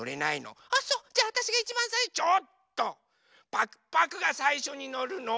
パクパクがさいしょにのるの。